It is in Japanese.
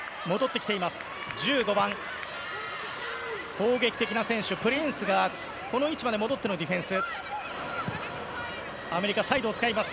攻撃的な選手、プリンスがこの位置まで戻ってのディフェンス。